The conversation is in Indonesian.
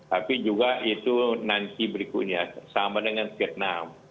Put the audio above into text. tapi juga itu nanti berikutnya sama dengan vietnam